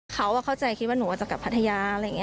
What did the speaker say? เขาเข้าใจคิดว่าหนูจะกลับพัทยา